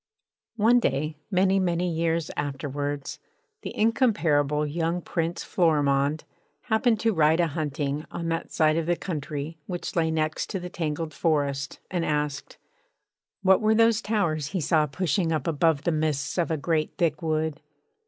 One day, many, many years afterwards, the incomparable young Prince Florimond happened to ride a hunting on that side of the country which lay next to the tangled forest, and asked: 'What were those towers he saw pushing up above the midst of a great thick wood?